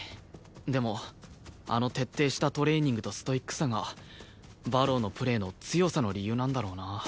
でもあの徹底したトレーニングとストイックさが馬狼のプレーの強さの理由なんだろうな。